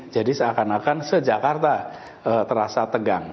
jadi seakan akan sejak jakarta terasa tegang